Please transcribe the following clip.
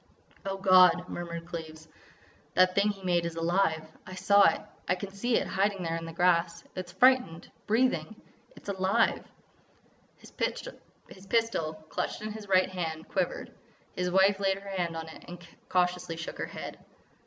"Oh, God!" murmured Cleves, "that thing he made is alive! I saw it. I can see it hiding there in the grass. It's frightened—breathing! It's alive!" His pistol, clutched in his right hand, quivered. His wife laid her hand on it and cautiously shook her head.